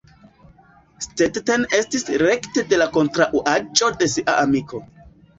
Stetten estis rekte la kontraŭaĵo de sia amiko.